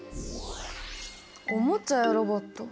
おもちゃやロボット。